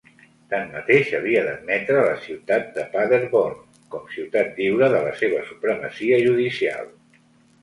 Tanmateix havia d'admetre la ciutat de Paderborn com ciutat lliure de la seva supremacia judicial.